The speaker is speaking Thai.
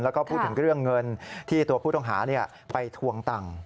แล้วก็พูดถึงเรื่องเงินที่ตัวผู้ต้องหาไปทวงตังค์